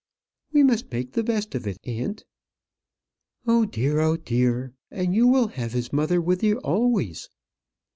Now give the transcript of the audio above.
"We must make the best of it, aunt." "Oh, dear! oh, dear! And you will have his mother with you always."